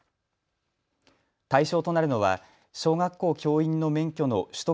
対象となるのは小学校教員の免許の取得